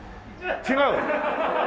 違う！？